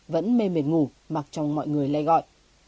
vẫn mê mệt ngủ mặc trong mọi người lê gọi